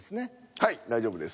はい大丈夫です。